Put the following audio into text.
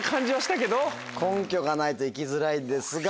根拠がないと行きづらいですが。